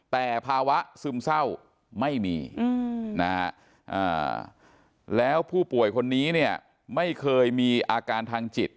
แต่ภาวะซึมเศร้าไม่มีนะฮะแล้วผู้ป่วยคนนี้เนี่ยไม่เคยมีอาการทางจิต